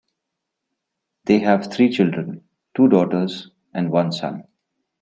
They have three children, two daughters and one son.